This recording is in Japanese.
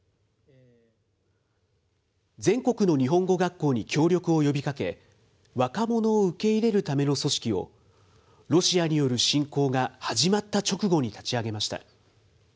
全国の日本語学校に協力を呼びかけ、若者を受け入れるための組織を、ロシアによる侵攻が始まった直後に立ち上げました。